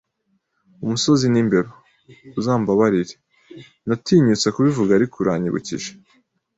umusozi n'imbeba? Uzambabarire, Natinyutse kubivuga, ariko uranyibukije